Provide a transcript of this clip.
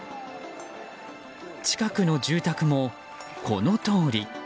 近くの住宅もこのとおり。